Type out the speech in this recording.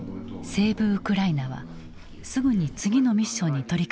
セーブ・ウクライナはすぐに次のミッションに取りかかった。